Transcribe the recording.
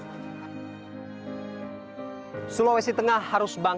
rekomendasi terhadap hunian dan bangunan untuk bisa kembali ditempati menjadi sangat penting